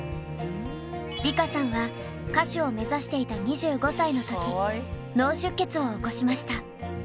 梨花さんは歌手を目指していた２５歳の時脳出血を起こしました。